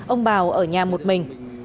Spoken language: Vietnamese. ông bào ở nhà một mình